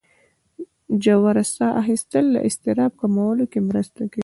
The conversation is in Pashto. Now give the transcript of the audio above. ژوره ساه ایستل د اضطراب کمولو کې مرسته کوي.